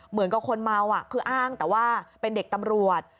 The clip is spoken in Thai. เหมือนกับคนเมาคืออ้างแต่ว่าเป็นเด็กตำรวจ